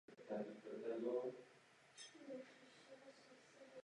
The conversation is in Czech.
Volby se do obou zastupitelských sborů uskutečňují současně.